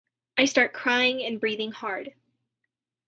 I start crying and breathing hard.